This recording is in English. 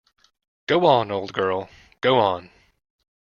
Go on, old girl, go on!